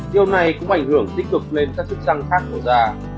điều này cũng ảnh hưởng tích cực lên các chất răng khác của da